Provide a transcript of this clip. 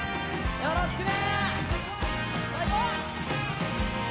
よろしくね！